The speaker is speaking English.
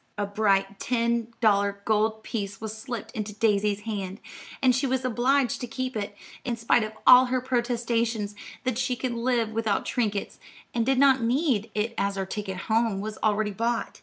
A bright ten dollar gold piece was slipped into Daisy's hand, and she was obliged to keep it, in spite of all her protestations that she could live without trinkets, and did not need it as her ticket home was already bought.